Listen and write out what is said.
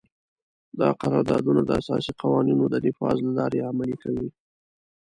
دا قراردادونه د اساسي قوانینو د نفاذ له لارې عملي کوي.